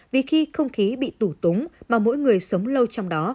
vì khi không khí bị tủ túng mà mỗi người sống lâu trong đó